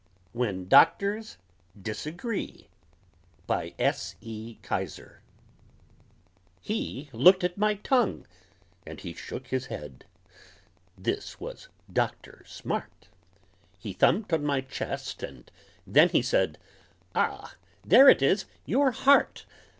WHEN DOCTORS DISAGREE BY S. E. KISER He looked at my tongue and he shook his head This was Doctor Smart He thumped on my chest, and then he said: "Ah, there it is! Your heart!